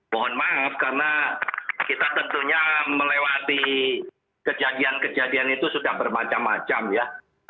mohon maaf karena kita tentunya melewati kejadian kejadian itu sudah bermacam macam ya